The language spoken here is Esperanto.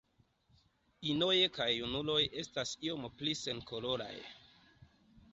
Inoj kaj junuloj estas iom pli senkoloraj.